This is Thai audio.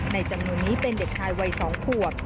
จำนวนนี้เป็นเด็กชายวัย๒ขวบ